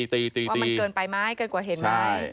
ว่ามันเกินไปไม้เกินกว่าเห็นไม้